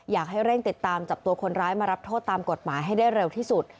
อยากให้เร่งติดตามจับตัวคนร้ายมารับโทษตามกฎหมายให้ได้เร็วที่สุด